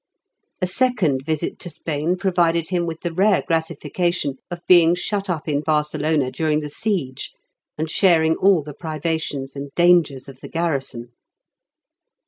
A second visit to Spain provided him with the rare gratification of being shut up in Barcelona during the siege, and sharing all the privations and dangers of the garrison.